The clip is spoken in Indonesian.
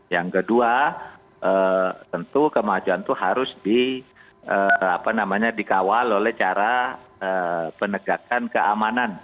yang kedua tentu kemajuan itu harus dikawal oleh cara penegakan keamanan